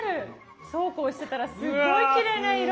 そうこうしてたらすっごいきれいな色。